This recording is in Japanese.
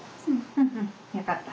うんうんよかった。